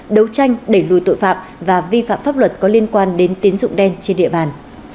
đấu tranh đẩy lùi tội phạm và vi phạm pháp luật có liên quan đến tín dụng đen trên địa bàn